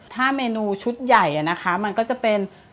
ถ้าเมนูชุดใหญ่นะคะมันก็จะเป็น